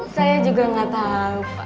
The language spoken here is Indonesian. saya juga gak tahu